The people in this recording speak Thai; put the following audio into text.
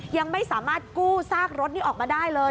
ยังไม่สามารถกู้ซากรถนี้ออกมาได้เลย